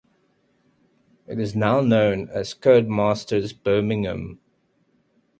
It is now known as Codemasters Birmingham.